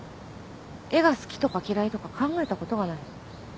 絵が好きとか嫌いとか考えたことがない。